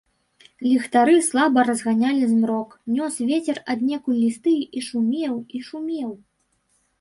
Ліхтары слаба разганялі змрок, нёс вецер аднекуль лісты і шумеў і шумеў.